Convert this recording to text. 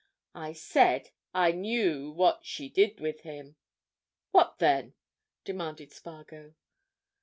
"I said I knew what she did with him." "What, then?" demanded Spargo.